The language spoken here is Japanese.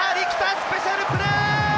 スペシャルプレー！